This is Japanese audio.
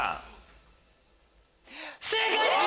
正解です！